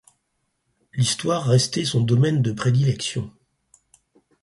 L'histoire restait son domaine de prédilection.